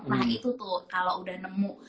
nah itu tuh kalau udah nemu